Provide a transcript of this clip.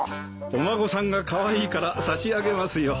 お孫さんがカワイイから差し上げますよ。